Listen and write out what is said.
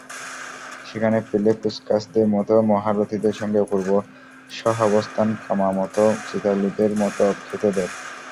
সেখানে পেলে-পুসকাসদের মতো মহারথীদের সঙ্গে অপূর্ব সহাবস্থান কামামোতো, চিতালুদের মতো অখ্যাতদের।